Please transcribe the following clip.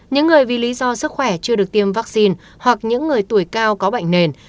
những người vì lý do sức khỏe chưa được tiêm vaccine hoặc những người tuổi cao có bệnh nền